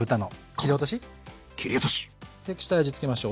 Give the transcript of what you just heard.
切り落とし！で下味付けましょう。